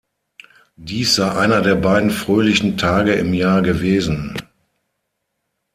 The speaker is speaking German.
Dies sei einer der beiden fröhlichen Tage im Jahr gewesen.